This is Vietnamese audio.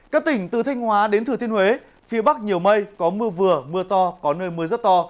các tỉnh từ thanh hóa đến thừa thiên huế phía bắc nhiều mây có mưa vừa mưa to có nơi mưa rất to